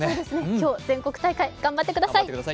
今日、全国大会、頑張ってください！